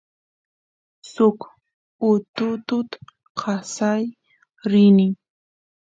suk ututut kasay rini